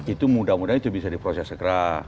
itu mudah mudahan itu bisa diproses segera